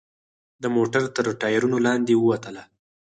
د موټر تر ټایرونو لاندې ووتله.